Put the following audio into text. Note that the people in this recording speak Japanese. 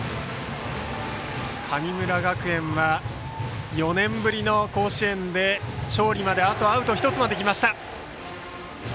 神村学園は４年ぶりの甲子園で勝利まであとアウト１つ。